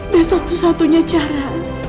dan satu satunya cara